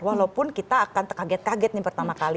walaupun kita akan terkaget kaget nih pertama kali